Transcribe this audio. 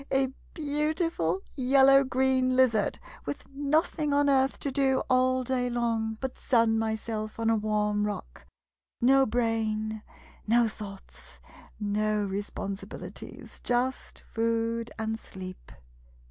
A beautiful, yellow 63 MODERN MONOLOGUES green lizard, with nothing on earth to do all day long but sun myself on a warm rock. No brain — no thoughts — no responsibilities — just food and sleep.